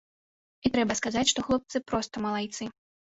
І трэба сказаць, што хлопцы проста малайцы.